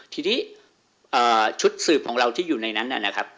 ทีนี้ชุดสืบของเราที่อยู่ในนั้นนะครับ